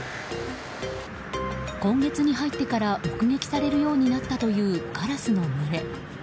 今月に入ってから目撃されるようになったというカラスの群れ。